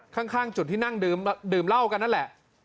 ข้างจุดที่นั่งดื่มเหล้ากันนั่นแหละ